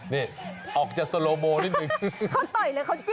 นี่ออกจากโซโลโมชั่นนิดนึง